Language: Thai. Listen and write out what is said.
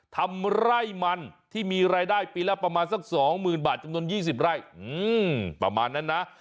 ทำไร่มันที่มีรายได้ปีละประมาณสัก๒๐๐๐บาทจำนวน๒๐ไร่ประมาณนั้นนะ